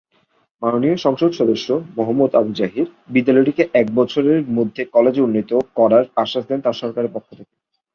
মাননীয় সংসদ সদস্য এডভোকেট মোহাম্মদ আবু জাহির বিদ্যালয়টিকে এক বছরের মধ্যে কলেজে উন্নীত করার আশ্বাস দেন তার সরকারের পক্ষ থেকে।